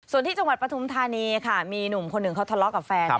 ส่วนที่จังหวัดปฐุมธานีค่ะมีหนุ่มคนหนึ่งเขาทะเลาะกับแฟน